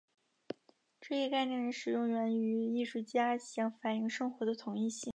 这一概念的使用源于艺术家想反映生活的统一性。